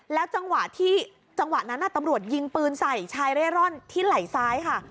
จังหวะที่จังหวะนั้นตำรวจยิงปืนใส่ชายเร่ร่อนที่ไหล่ซ้ายค่ะ